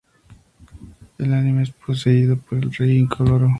En el anime es poseído por el Rey Incoloro.